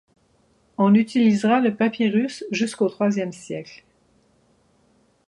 On utilisera le papyrus jusqu’au troisième siècle.